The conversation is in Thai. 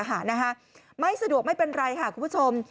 ไม่สะดวกไม่เป็นไรค่ะคุณผู้ชม